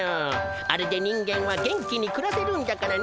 あれで人間は元気にくらせるんだからな。